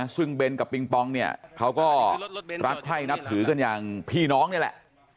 ซึ่งเบนกับปิงปองเนี่ยเขาก็รักใคร่นับถือกันอย่างพี่น้องนี่แหละ